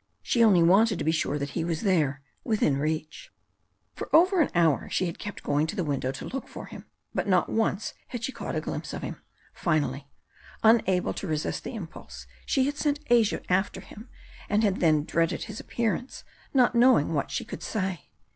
She only wanted to be sure that he was there, within reach. For over an hour she had kept going to the window to look for him, but not once had she caught a glimpse of him. Finally, unable to resist the impulse, she had sent Asia after him, and had then dreaded his appearance, not knowing what she could say.